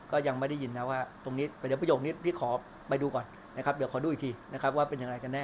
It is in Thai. ก็ยังไม่ได้ยินนะว่าตรงนี้เดี๋ยวประโยคนี้พี่ขอไปดูก่อนนะครับเดี๋ยวขอดูอีกทีนะครับว่าเป็นอย่างไรกันแ